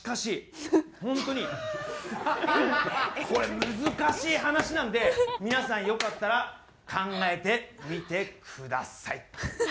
これ難しい話なんで皆さんよかったら考えてみてください。